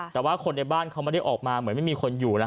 แต่ว่าคนในบ้านเขาไม่ได้ออกมาเหมือนไม่มีคนอยู่นะ